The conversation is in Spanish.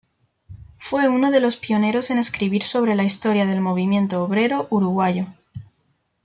Fue uno de los pioneros en escribir sobre la historia del movimiento obrero uruguayo.